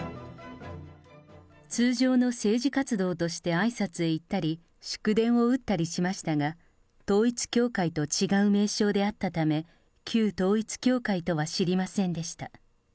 通常の政治活動としてあいさつへ行ったり、祝電を打ったりしましたが、統一教会と違う名称であったため、旧統一教会とは知りませんでした。